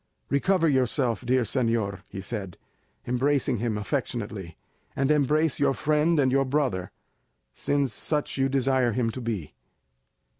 "Recover yourself, dear señor," he said, embracing him affectionately, "and embrace your friend and your brother, since such you desire him to be."